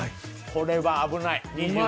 これは危ない。